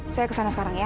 saya kesana sekarang ya